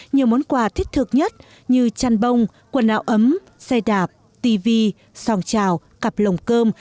nhiều món quà thiết thực nhất như chăn bông quần áo ấm xe đạp tv sòng trào cặp lồng cơm